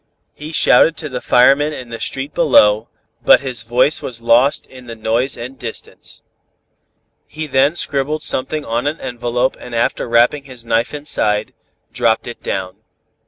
"He shouted to the firemen in the street below, but his voice was lost in the noise and distance. He then scribbled something on an envelope and after wrapping his knife inside, dropped it down.